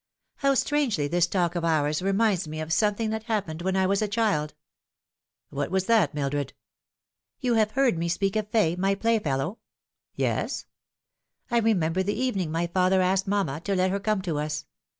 How strangely this talk of ours reminds me of something that happened when I was a child !"" What was that, Mildred ?"" You have heard me speak of Fay, my playfellow ? w " Yes." " I remember the evening my father asked mamma to let her come to us.